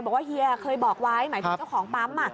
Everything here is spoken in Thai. เฮียเคยบอกไว้หมายถึงเจ้าของปั๊ม